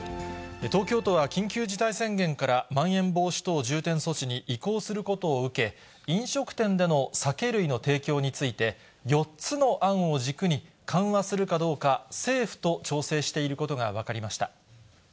東京都は緊急事態宣言からまん延防止等重点措置に移行することを受け、飲食店での酒類の提供について、４つの案を軸に緩和するかどうか、政府と調整していることが分かりました。